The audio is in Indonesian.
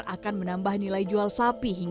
maka minta kalo ujung rasa senang